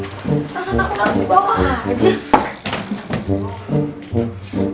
masa takut lagi bawa aja